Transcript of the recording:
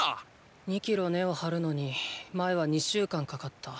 ２キロ根を張るのに前は２週間かかった。